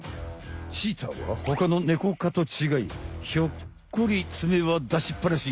チーターはほかのネコかとちがいひょっこり爪は出しっぱなし。